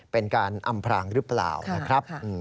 เป็นการอำพรางหรือเปล่านะครับ